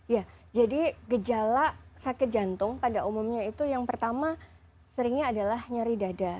ya jadi gejala sakit jantung pada umumnya itu yang pertama seringnya adalah nyari dada